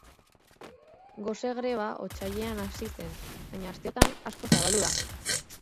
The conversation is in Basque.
Gose greba otsailean hasi zen, baina asteotan asko zabaldu da.